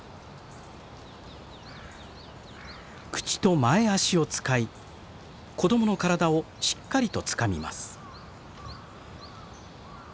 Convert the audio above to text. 口と前足を使い子供の体をしっかりとつかみます。